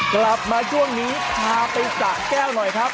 กลับมาช่วงนี้พาไปสะแก้วหน่อยครับ